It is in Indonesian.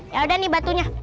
ya udah nih batunya